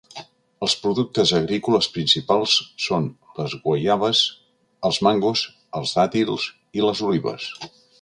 Els productes agrícoles principals són les guaiabes, els mangos, els dàtils i les olives.